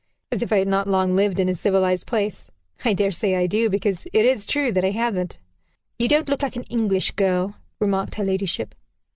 "As if I had not long lived in a civilized place. I dare say I do, because it is true that I haven't." "You don't look like an English girl," remarked her ladyship.